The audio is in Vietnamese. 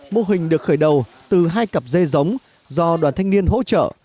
mô hình được khởi đầu từ hai cặp dê giống do đoàn thanh niên hỗ trợ